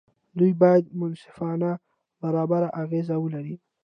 دوی باید منصفانه او برابر اغېز ولري.